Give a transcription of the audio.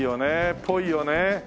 っぽいよね。